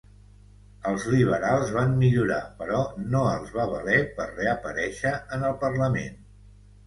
Els liberals van millorar però no els va valer per reaparèixer en el parlament.